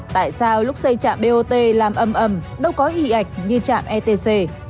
tại sao lúc xây trạm bot làm âm âm đâu có y ạch như trạm etc